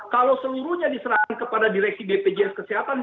kalau seluruhnya diserahkan kepada direksi bpjs kesehatan